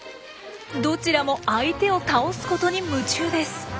どちらも相手を倒すことに夢中です。